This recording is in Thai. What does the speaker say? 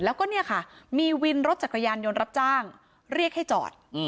แล้วก็เนี่ยค่ะมีวินรถจักรยานยนต์รับจ้างเรียกให้จอด